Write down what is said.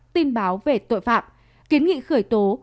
tin báo về tội phạm kiến nghị khởi tố